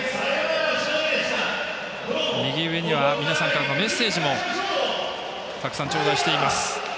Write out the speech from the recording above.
右上には皆さんからのメッセージもたくさん頂戴しています。